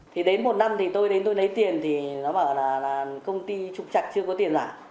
thì đến một năm thì tôi đến tôi lấy tiền thì nó bảo là công ty trục trạch chưa có tiền giả